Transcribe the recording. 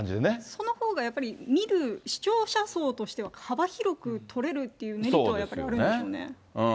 そのほうがようやく見る視聴者層としては、幅広く取れるっていうメリットはやっぱりあるんでしょうね。